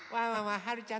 はるちゃん！